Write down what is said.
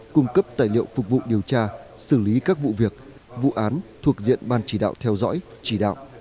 cung cấp tài liệu phục vụ điều tra xử lý các vụ việc vụ án thuộc diện ban chỉ đạo theo dõi chỉ đạo